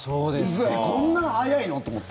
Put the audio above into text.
こんな速いの？と思った。